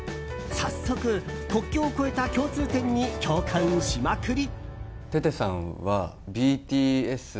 早速、国境を越えた共通点に共感しまくり。